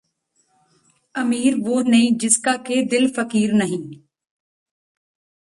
ਅਮੀਰ ਵੋਹ ਨਹੀਂ ਜਿਸਕਾ ਕਿ ਦਿਲ ਫਕੀਰ ਨਹੀਂ